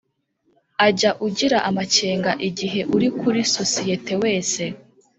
Ajya ugira amakenga igihe uri kuri sosiyete wese